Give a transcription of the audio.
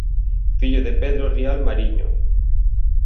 Fillo de Pedro Rial Mariño.